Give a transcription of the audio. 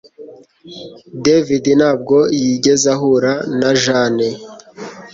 David ntabwo yigeze ahura na Jane